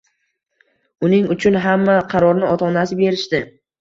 Uning uchun hamma qarorni ota-onasi berishdi